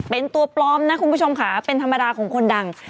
เป็นตัวปลอมนะคุณผู้ชมค่ะเป็นธรรมดาของคนดัง